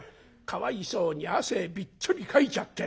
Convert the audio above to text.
かわいそうに汗びっちょりかいちゃって。